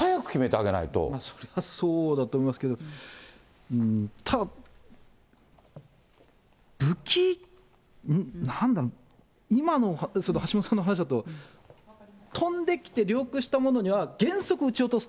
それはそうだと思いますけど、ただ、武器、なんだろう、今の橋本さんのお話だと、飛んできて領空したものには原則撃ち落とすと。